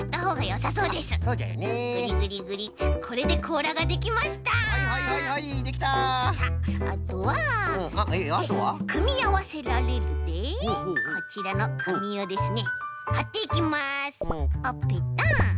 さああとはよし「くみあわせられる」でこちらのかみをですねはっていきます。